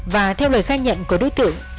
và theo lời khai nhận của đối tượng